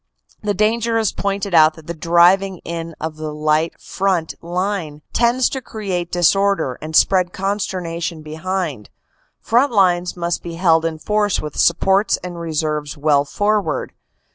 The danger is pointed out that the driving in of the light front line tends to create disorder and spread consternation behind. Front lines must be held in force with supports and reserves well forward.